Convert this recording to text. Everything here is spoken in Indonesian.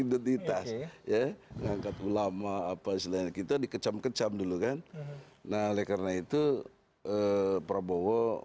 identitas ya ngangkat ulama apa segalanya kita dikecam kecam dulu kan nah oleh karena itu prabowo